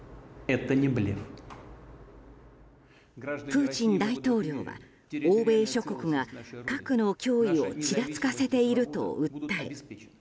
プーチン大統領は欧米諸国が、核の脅威をちらつかせていると訴え